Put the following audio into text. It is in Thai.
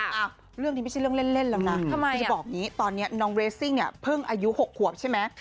แต่นี่ไม่ใช่เรื่องเล่นแล้วคุณผู้ชม